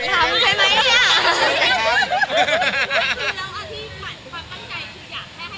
คือคือแล้วเอาที่ความบังใจคืออยากให้ให้มันมีเนิน